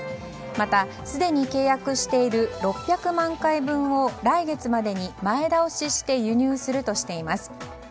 またすでに契約している６００万回分を来月までに前倒しして輸入するとしています。